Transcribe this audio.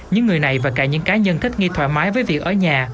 những người này và cả những cá nhân thích nghi thoải mái với việc ở nhà